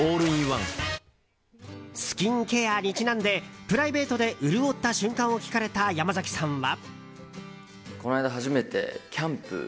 スキンケアにちなんでプライベートで潤った瞬間を聞かれた山崎さんは。